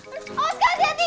aduh awas kak hati hati